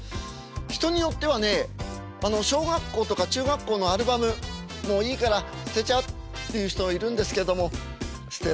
人によってはね小学校とか中学校のアルバムもういいから捨てちゃうっていう人いるんですけども捨てられないですよねえ。